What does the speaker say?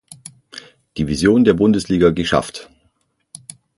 Division der Bundesliga geschafft.